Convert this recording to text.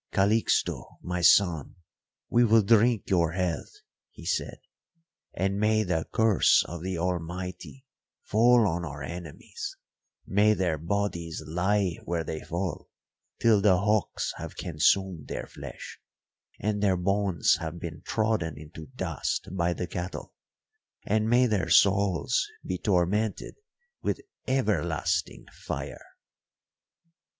"Calixto, my son, we will drink your health," he said, "and may the curse of the Almighty fall on our enemies; may their bodies lie where they fall, till the hawks have consumed their flesh, and their bones have been trodden into dust by the cattle; and may their souls be tormented with everlasting fire."